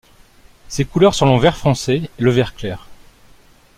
Ses couleurs sont le vert foncé et le vert clair.